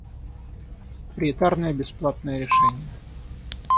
Проприетарное бесплатное решение